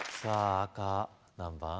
赤何番？